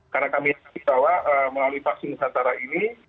karena kami yakin bahwa melalui vaksin nusantara ini